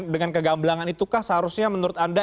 dengan kegambelangan itukah seharusnya menurut anda